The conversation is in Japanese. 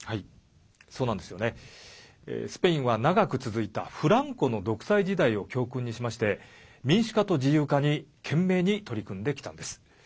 スペインは、長く続いたフランコの独裁時代を教訓にしまして民主化と自由化に懸命に取り組んできたんです。